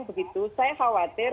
begitu saya khawatir